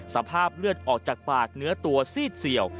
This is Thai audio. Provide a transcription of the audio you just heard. สภาพเลือดออกจากปากเนื้อตัวซีดเสี่ยว